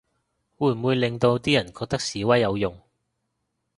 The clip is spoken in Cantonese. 會唔會令到啲人覺得示威有用